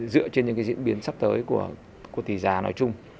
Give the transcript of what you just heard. dựa trên những diễn biến sắp tới của tỷ giá nói chung